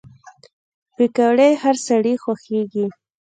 پکورې هر سړی خوښوي